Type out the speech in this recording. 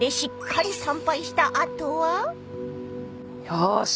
よし。